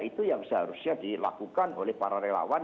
itu yang seharusnya dilakukan oleh para relawan